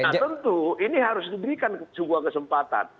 nah tentu ini harus diberikan sebuah kesempatan